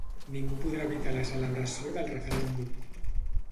Ningú podrà evitar la celebració del referèndum.